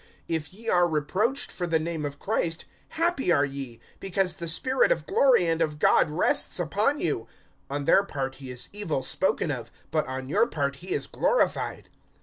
(14)If ye are reproached for the name of Christ, happy are ye; because the spirit of glory and of God rests upon you; [on their part he is evil spoken of, but on your part he is glorified.